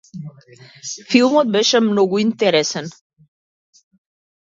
Филмот беше многу интересен.